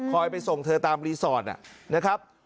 ไปส่งเธอตามรีสอร์ทนะครับ